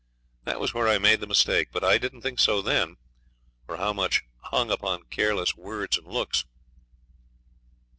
That was where I made the mistake. But I didn't think so then, or how much hung upon careless words and looks.